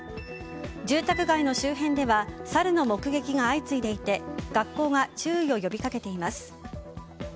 住宅街の周辺ではサルの目撃が相次いでいて学校が注意を呼び掛けています。